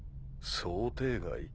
想定外？